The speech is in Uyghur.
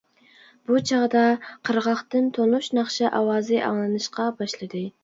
بۇ چاغدا قىرغاقتىن تونۇش ناخشا ئاۋازى ئاڭلىنىشقا باشلىدى.